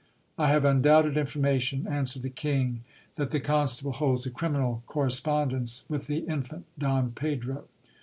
I have undoubted information, answered the king, that the constable holds a criminal corre spondence with, the Infant Don Pedro.